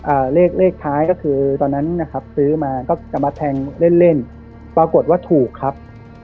อ่าเลขเลขท้ายก็คือตอนนั้นนะครับซื้อมาก็จะมาแทงเล่นเล่นปรากฏว่าถูกครับ